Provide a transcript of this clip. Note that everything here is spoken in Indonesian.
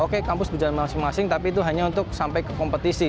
oke kampus berjalan masing masing tapi itu hanya untuk sampai ke kompetisi